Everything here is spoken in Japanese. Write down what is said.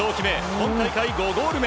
今大会５ゴール目。